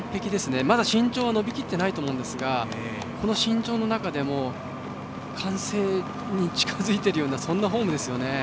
まだ身長は伸びきっていないと思いますがこの身長の中でも完成に近づいているようなそんなフォームですよね。